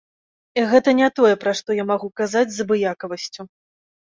Гэта не тое, пра што я магу казаць з абыякавасцю.